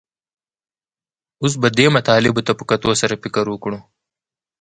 اوس به دې مطالبو ته په کتو سره فکر وکړو